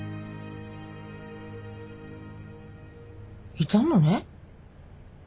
いたのね。